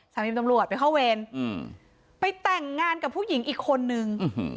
สามีตำรวจไปเข้าเวรอืมไปแต่งงานกับผู้หญิงอีกคนนึง